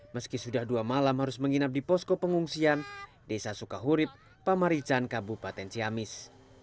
meski sudah dua malam harus menginap di posko pengungsian desa suka hurib pamarican ke bupaten ciamis